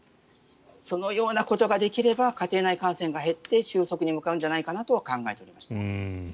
そのようなことができれば家庭内感染が減って収束に向かうんじゃないかと考えております。